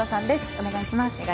お願いします。